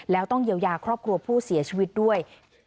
แล้วต้องเยียวยาครอบครัวผู้เสียชีวิตด้วย